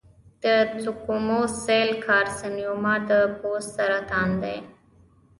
د سکوموس سیل کارسینوما د پوست سرطان دی.